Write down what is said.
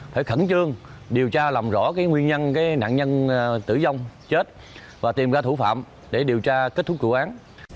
phải khẩn trương điều tra làm rõ nguyên nhân nạn nhân tử vong chết và tìm ra thủ phạm để điều tra kết thúc vụ án